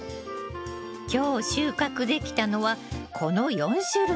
今日収穫できたのはこの４種類。